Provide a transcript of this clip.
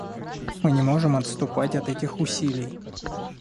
Мы не можем отступать от этих усилий.